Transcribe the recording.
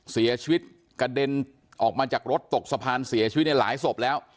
เสียชีวิตกระเด็นออกมาจากรถตกสะพานเสียชีวิตในหลายศพแล้ว